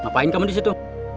ngapain kamu disitu